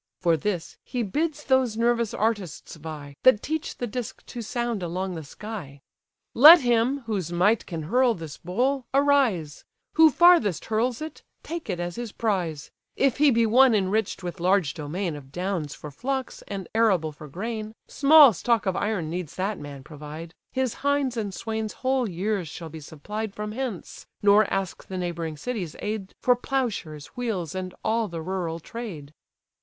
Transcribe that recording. For this, he bids those nervous artists vie, That teach the disk to sound along the sky. "Let him, whose might can hurl this bowl, arise; Who farthest hurls it, take it as his prize; If he be one enrich'd with large domain Of downs for flocks, and arable for grain, Small stock of iron needs that man provide; His hinds and swains whole years shall be supplied From hence; nor ask the neighbouring city's aid For ploughshares, wheels, and all the rural trade."